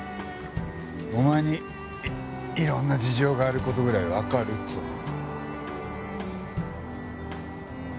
お前にいろんな事情がある事ぐらいわかるっつうの。